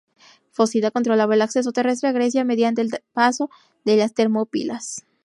Fócida controlaba el acceso terrestre a Grecia mediante el paso de las Termópilas.